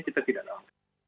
kita tidak tahu